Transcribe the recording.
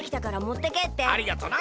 ありがとな！